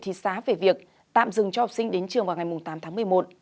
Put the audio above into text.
thị xá về việc tạm dừng cho học sinh đến trường vào ngày tám tháng một mươi một